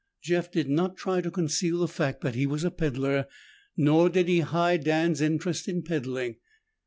Jeff did not try to conceal the fact that he was a peddler, nor did he hide Dan's interest in peddling.